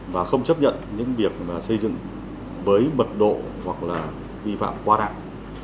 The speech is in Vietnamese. và không chấp nhận những việc xây dựng với mật độ hoặc là vi phạm quá đặng